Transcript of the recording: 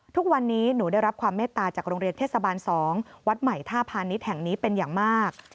ทุกวันนี้หนูได้รับความเมตตาจากโรงเรียนเทศบาล๒วัดใหม่ท่าพาณิชย์แห่งนี้เป็นอย่างมาก